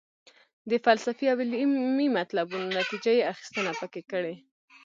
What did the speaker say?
د فلسفي او علمي مطلبونو نتیجه یې اخیستنه پکې کړې.